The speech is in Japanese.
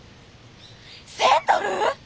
１，０００ドル！？